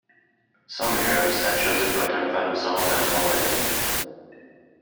Some Arabs had chosen to identify themselves as Malays.